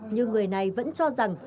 nhưng người này vẫn cho rằng